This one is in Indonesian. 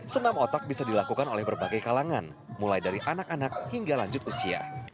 senam otak bisa dilakukan oleh berbagai kalangan mulai dari anak anak hingga lanjut usia